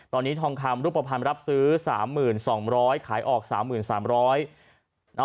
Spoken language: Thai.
ตอนนี้ทองคำรูปภัณฑ์รับซื้อ๓๒๐๐ขายออก๓๓๐๐บาท